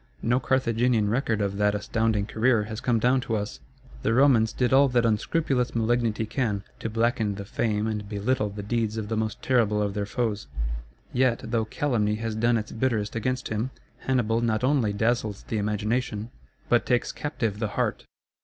No Carthaginian record of that astounding career has come down to us. The Romans did all that unscrupulous malignity can, to blacken the fame and belittle the deeds of the most terrible of their foes. Yet, though calumny has done its bitterest against him, Hannibal not only dazzles the imagination, but takes captive the heart.